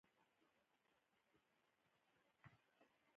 د ښار ښکلا د سیاحانو د راجلبولو سبب ګرځي.